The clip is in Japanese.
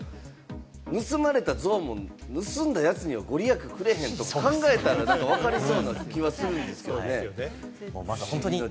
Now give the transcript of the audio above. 盗まれた像も盗んだやつには御利益くれへんとか考えたら、わかりそうな気はするんですけどね。